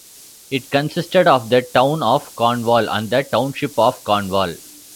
It consisted of the Town of Cornwall and the Township of Cornwall.